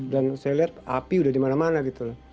dan saya lihat api udah dimana mana gitu